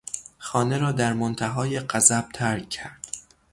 خانه را در منتهای غضب ترک کرد.